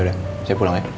ya udah saya pulang ya